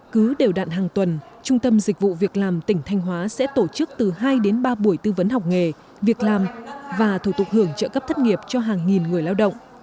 cứ đều đạn hàng tuần trung tâm dịch vụ việc làm tỉnh thanh hóa sẽ tổ chức từ hai đến ba buổi tư vấn học nghề việc làm và thủ tục hưởng trợ cấp thất nghiệp cho hàng nghìn người lao động